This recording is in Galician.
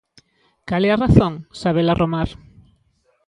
Cal é a razón, Sabela Romar?